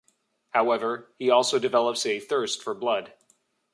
However, he also develops a thirst for blood.